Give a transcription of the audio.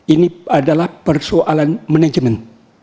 ini adalah persoalan manajemen